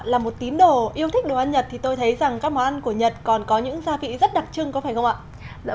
là một tín đồ yêu thích đồ ăn nhật thì tôi thấy rằng các món ăn của nhật còn có những gia vị rất đặc trưng có phải không ạ